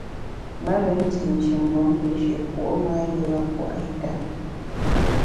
Me rén ndi shin mgbom te nshié puo’ ṅa a pua’ itèt na.